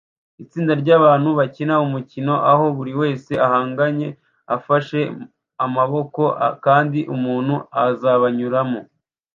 Itsinda ryabantu bakina umukino aho buri wese ahanganye afashe amaboko kandi umuntu azabanyuramo